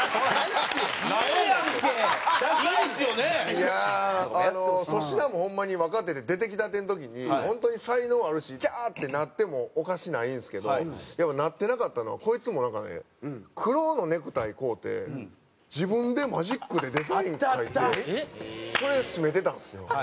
いやあ粗品もホンマに若手で出てきたての時に本当に才能あるし「キャー」ってなってもおかしないんですけどなってなかったのはこいつもなんかね黒のネクタイ買うて自分でマジックでデザイン描いてそれ締めてたんですよ。